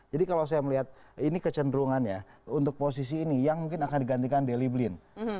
jadi kalau saya melihat ini kecenderungannya untuk posisi ini yang mungkin akan digantikan deliblin